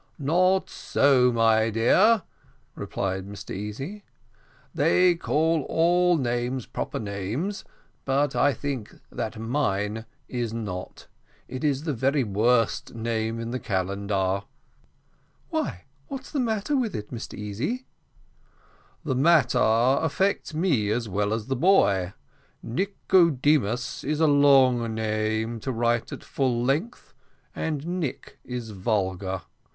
"Not so, my dear," replied Mr Easy; "they call all names proper names, but I think that mine is not. It is the very worst name in the calendar." "Why, what's the matter with it, Mr Easy?" "The matter affects me as well as the boy. Nicodemus is a long name to write at full length, and Nick is vulgar.